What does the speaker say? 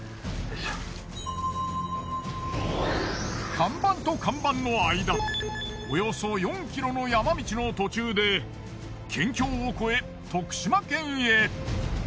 看板と看板の間およそ４ｋｍの山道の途中で県境を越え徳島県へ。